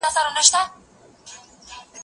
هغه وويل چي مينه ښکاره کول ضروري دي،